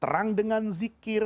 terang dengan zikir